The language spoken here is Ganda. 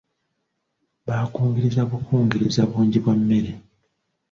Baakungiriza bukungiriza bungi bwa mmere.